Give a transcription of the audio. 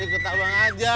ikut abang aja